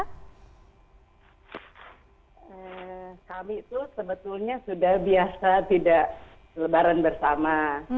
kami itu sebetulnya sudah biasa tidak lebaran bersama